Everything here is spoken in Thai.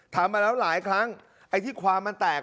ทำมาแล้วหลายครั้งไอ้ที่ความมันแตก